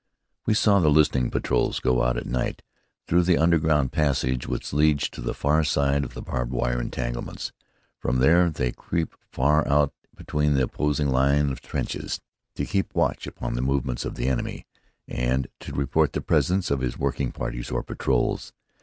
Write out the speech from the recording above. We saw the listening patrols go out at night, through the underground passage which leads to the far side of the barbed wire entanglements. From there they creep far out between the opposing lines of trenches, to keep watch upon the movements of the enemy, and to report the presence of his working parties or patrols.